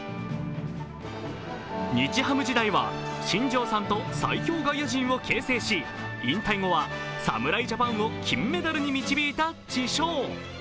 日ハム時代は新庄さんと最強外野陣を形成し、引退後は侍ジャパンを金メダルに導いた知将。